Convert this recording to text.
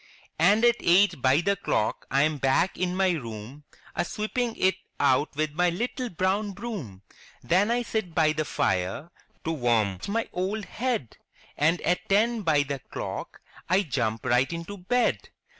And at eight by the clock I am back in my room, A sweeping it out with my little brown broom! Then I sit by the fire to warm my old head. And at ten by the clock I jump right into bed!''